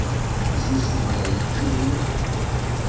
Asensu-a yif wihin.